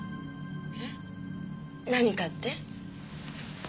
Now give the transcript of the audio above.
えっ？何かって？